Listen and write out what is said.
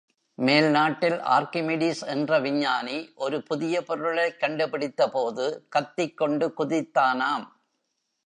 மேல் நாட்டில் ஆர்க்கிமிடீஸ் என்ற விஞ்ஞானி ஒரு புதிய பொருளைக் கண்டுபிடித்தபோது, கத்திக் கொண்டு குதித்தானாம்.